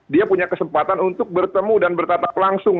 dia punya kesempatan untuk bertemu dan bertatap langsung